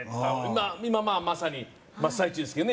今まさに真っ最中ですけどね